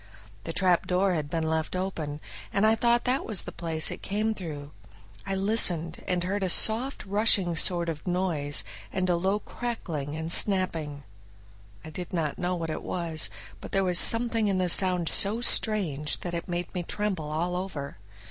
The trapdoor had been left open, and I thought that was the place it came through. I listened, and heard a soft rushing sort of noise and a low crackling and snapping. I did not know what it was, but there was something in the sound so strange that it made me tremble all over.